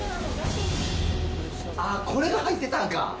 あー、これが入ってたんか。